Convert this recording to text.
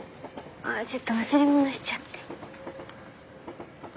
あっちょっと忘れ物しちゃって。